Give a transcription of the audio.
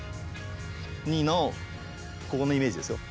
ここのイメージですよ